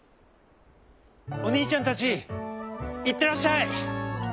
「おにいちゃんたちいってらっしゃい！